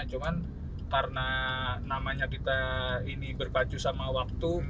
cuman karena namanya kita ini berpacu sama waktu